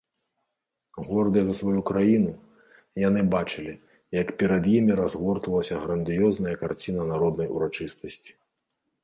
Гордыя за сваю краіну, яны бачылі, як перад імі разгортвалася грандыёзная карціна народнай урачыстасці.